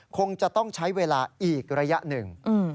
คงจะต้องใช้เวลาอีกระยะหนึ่ง